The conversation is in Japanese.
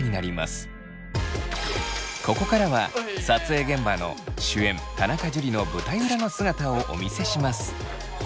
ここからは撮影現場の主演田中樹の舞台裏の姿をお見せします。